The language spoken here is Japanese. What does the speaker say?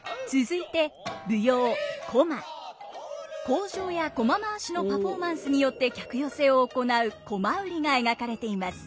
口上や独楽回しのパフォーマンスによって客寄せを行う独楽売りが描かれています。